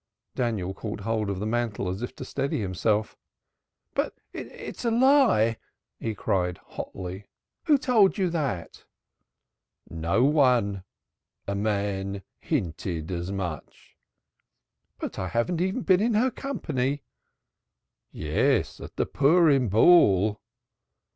Daniel caught hold of the mantel as if to steady himself. "But it is a lie!" he cried hotly. "Who told you that?" "No one; a man hinted as much." "But I haven't even been in her company." "Yes at the Purim Ball."